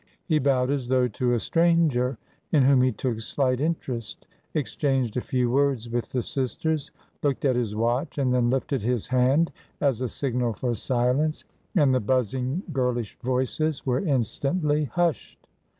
He bowed as though to a stranger in whom he took slight interest, exchanged a few words with the sisters, looked at his watch, and then lifted his hand as a signal for silence, and the buzzing, girlish voices were instantly hushed.